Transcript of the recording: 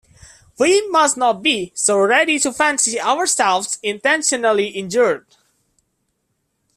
We must not be so ready to fancy ourselves intentionally injured.